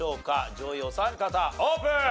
上位お三方オープン！